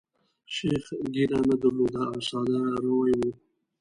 شیخ ږیره نه درلوده او ساده روی وو.